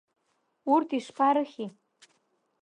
Урҭ ишԥарыхьи?